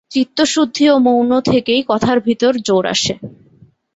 চিত্তশুদ্ধি ও মৌন থেকেই কথার ভিতর জোর আসে।